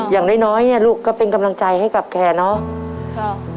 อย่างน้อยเนี่ยลูกก็เป็นกำลังใจให้กับแกเนาะ